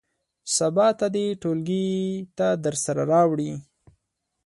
سبا ته دې ټولګي ته درسره راوړي.